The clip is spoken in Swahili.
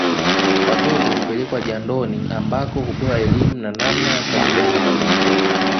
Watoto hupelekwa jandoni ambako hupewa elimu ya namna ya kukabiliana na mazingira